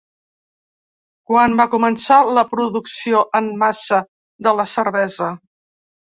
Quan va començar la producció en massa de la cervesa?